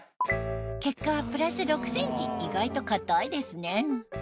結果はプラス６ｃｍ意外と硬いですね